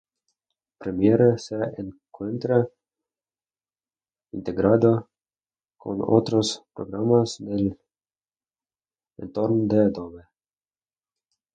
Premiere se encuentra integrado con otros programas del entorno de Adobe.